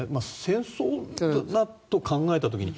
戦争となると考えた時に。